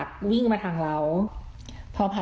มีแต่เสียงตุ๊กแก่กลางคืนไม่กล้าเข้าห้องน้ำด้วยซ้ำ